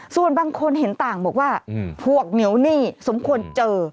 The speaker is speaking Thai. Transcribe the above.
ส่วนบางคนเห็นต่างบอกว่าพวกเหนียวหนี้สมควรเจอ